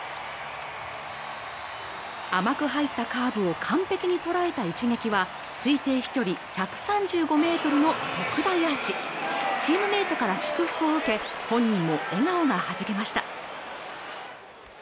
甘く入ったカーブを完璧に捉えた一撃は推定飛距離１３５メートルの特大アーチチームメートから祝福を受け本人も笑顔がはじけました